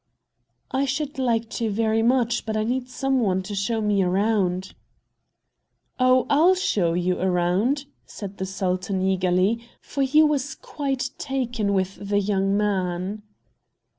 "I should like to very much, but I need some one to show me around." "Oh, I'll show you around," said the sultan, eagerly, for he was quite taken with the young man.